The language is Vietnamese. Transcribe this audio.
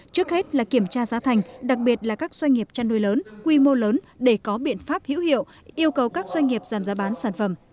trước hết là kiểm tra giá thành đặc biệt là các doanh nghiệp chăn nuôi lớn quy mô lớn để có biện pháp hữu hiệu yêu cầu các doanh nghiệp giảm giá bán sản phẩm